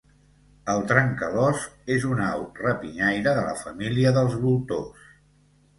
El trencalòs és una au rapinyaire de la famíla dels voltors.